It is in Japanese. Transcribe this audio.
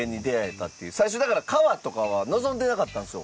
最初だから川とかは望んでなかったんですよ。